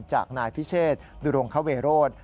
จากนายพิเชษดุรงคเวโรธ